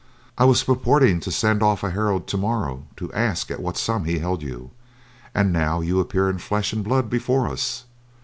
I was purporting to send off a herald tomorrow to ask at what sum he held you; and now you appear in flesh and blood before us!